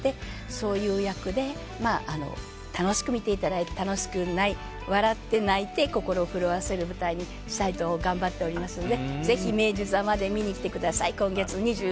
そういう役で楽しく見ていただいて笑って泣いて心を震わせる舞台にすることを頑張っていますのでぜひ明治座まで見に来てください。